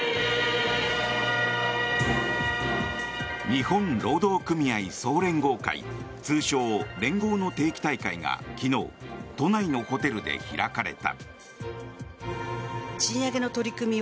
日本労働組合総連合会通称・連合の定期大会が昨日、都内のホテルで開かれた。